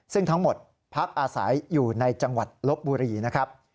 ซึ่งทั้งหมดพักอาศัยอยู่ในจังหวัดลบบุรีนะครับ